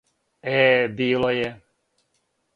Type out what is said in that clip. Е било је!